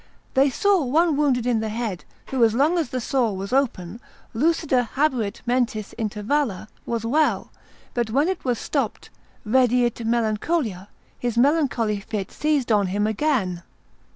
They saw one wounded in the head who as long as the sore was open, Lucida habuit mentis intervalla, was well; but when it was stopped, Rediit melancholia, his melancholy fit seized on him again.